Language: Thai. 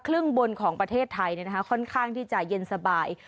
ครึ่งบนของประเทศไทยค่อนข้างที่จะเย็นสบาย